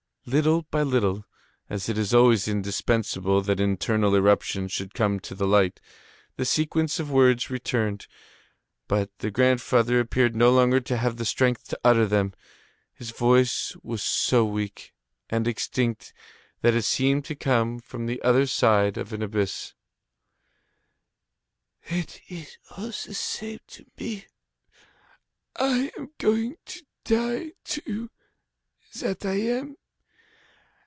Little by little, as it is always indispensable that internal eruptions should come to the light, the sequence of words returned, but the grandfather appeared no longer to have the strength to utter them, his voice was so weak, and extinct, that it seemed to come from the other side of an abyss: "It is all the same to me, I am going to die too, that I am.